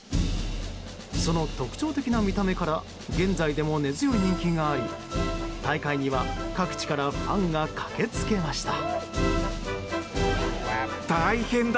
その特徴的な見た目から現在でも根強い人気があり大会には世界中からファンが駆け付けました。